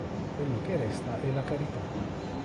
Quello che resta è la Carità.